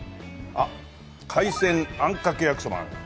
あっ「海鮮あんかけ焼きそば」もある。